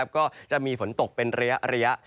ก็จะมีฝนตกเป็นระยะ